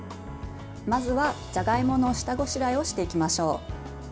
まずは、じゃがいもの下ごしらえをしていきましょう。